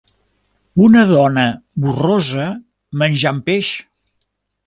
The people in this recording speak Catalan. Una dona borrosa menjant peix.